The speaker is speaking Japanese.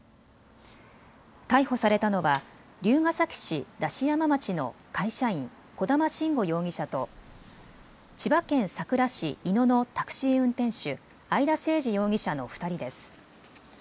逮捕されたのは龍ケ崎市出し山町の会社員、小玉慎悟容疑者と千葉県佐倉市井野のタクシー運転手、會田誠司容疑者の２人です。